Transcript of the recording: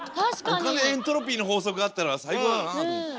お金エントロピーの法則だったら最高だなと思って。